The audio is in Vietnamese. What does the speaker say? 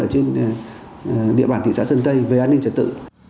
trên địa bàn thị xã sơn tây về an ninh trật tự